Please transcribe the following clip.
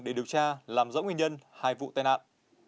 để điều tra làm rõ nguyên nhân hai vụ tai nạn